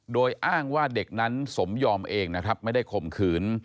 โดยอ้างว่าเด็กนั้นสมยอมเองนะครับไม่ได้ข่มขืน